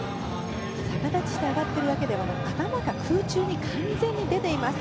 逆立ちして上がっているだけではなく頭が空中に完全に出ています。